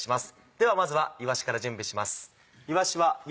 ではまずはいわしから準備します。